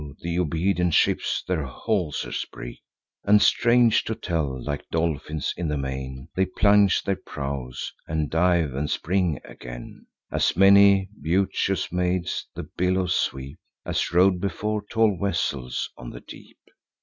th' obedient ships their haulsers break; And, strange to tell, like dolphins, in the main They plunge their prows, and dive, and spring again: As many beauteous maids the billows sweep, As rode before tall vessels on the deep.